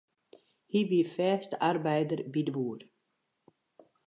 Hy wie fêste arbeider by de boer.